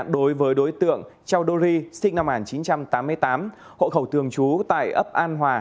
đối với đối tượng châu đô ri sinh năm một nghìn chín trăm tám mươi tám hộ khẩu thường trú tại ấp an hòa